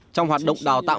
trong hoạt động đào tạo